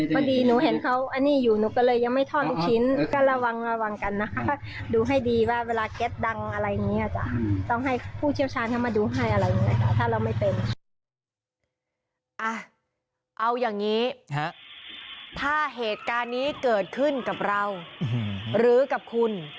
ไปให้อะไรอย่างนี้ล่ะถ้าเราไม่เป็น